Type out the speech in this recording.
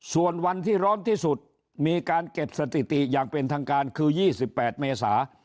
ส่วนวันที่ร้อนที่สุดมีการเก็บสถิติอย่างเป็นทางการคือ๒๘เมษา